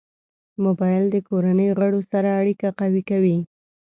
موبایل د کورنۍ غړو سره اړیکه قوي کوي.